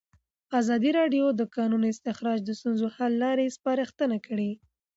ازادي راډیو د د کانونو استخراج د ستونزو حل لارې سپارښتنې کړي.